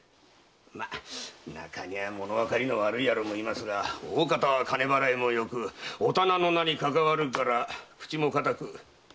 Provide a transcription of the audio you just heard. まぁ中にはものわかりの悪い野郎もいますがおおかたは金払いもよくお店の名にかかわるから口も固く。